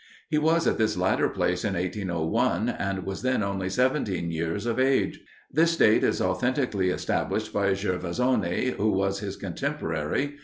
He was at this latter place in 1801, and was then only seventeen years of age. This date is authentically established by Gervasoni, who was his contemporary.